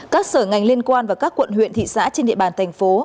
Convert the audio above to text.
các sở ngành liên quan và các quận huyện thị xã trên địa bàn thành phố